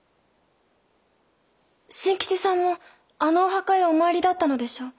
新吉さんもあのお墓へお参りだったのでしょう？